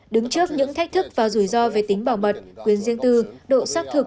đứng trước những thách thức và rủi ro về tính bảo mật quyền riêng tư độ xác thực